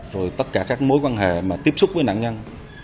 rồi tất cả các mối quan hệ mà tiếp xúc với nạn nhân